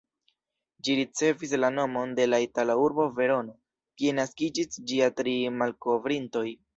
Ĝi ricevis la nomon de la itala urbo Verono, kie naskiĝis ĝia tri malkovrintoj.